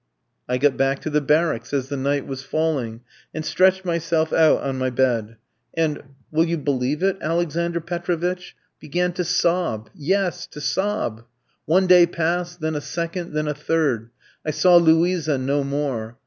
I got back to the barracks as the night was falling, and stretched myself out on my bed, and will you believe it, Alexander Petrovitch? began to sob yes, to sob. One day passed, then a second, then a third. I saw Luisa no more.